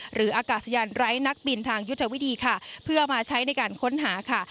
อากาศยานไร้นักบินทางยุทธวิธีค่ะเพื่อมาใช้ในการค้นหาค่ะ